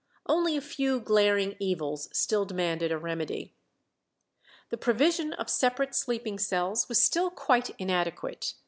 Only a few glaring evils still demanded a remedy. The provision of separate sleeping cells was still quite inadequate.